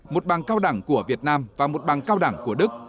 một bằng cao đẳng của việt nam và một bằng cao đẳng của đức